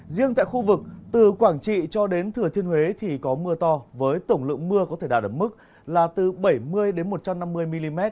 riêng tại khu vực từ quảng trị cho đến thừa thiên huế thì có mưa to với tổng lượng mưa có thể đạt ở mức là từ bảy mươi một trăm năm mươi mm